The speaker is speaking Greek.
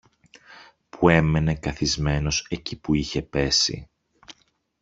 που έμενε καθισμένος εκεί που είχε πέσει